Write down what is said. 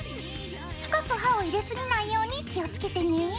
深く刃を入れすぎないように気をつけてね。